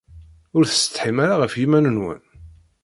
Ur tessetḥim ara ɣef yiman-nwen?